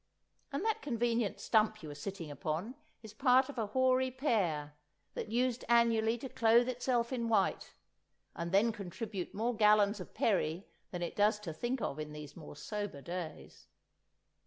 And that convenient stump you are sitting upon is part of a hoary pear, that used annually to clothe itself in white—and then contribute more gallons of perry than it does to think of in these more sober days!